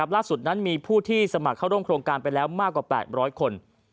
ล่าสุดนั้นมีผู้ที่สมัครเข้าร่วมโครงการไปแล้วมากกว่า๘๐๐คน